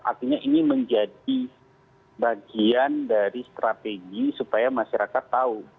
artinya ini menjadi bagian dari strategi supaya masyarakat tahu